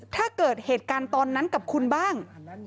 ถ้าเกิดเหตุการณ์ตอนนั้นกับคุณบ้าง